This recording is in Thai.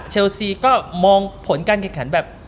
เชลซีก็มองผลการแข่งขันแบบ